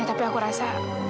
ya tapi aku rasa